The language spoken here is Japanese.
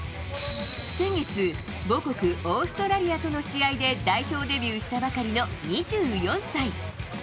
先月母国オーストラリアとの試合で代表デビューしたばかりの２４歳。